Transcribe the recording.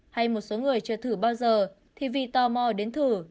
hay một số người chưa thử bao giờ thì vì tò mò đến thử